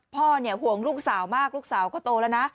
พ่อเนี่ยห่วงลูกสาวมากลูกสาวก็โตแล้วนะ